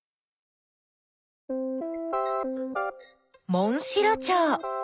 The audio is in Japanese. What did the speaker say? モンシロチョウ。